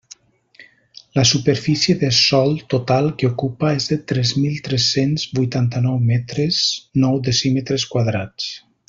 La superfície de sòl total que ocupa és de tres mil tres-cents vuitanta-nou metres, nou decímetres quadrats.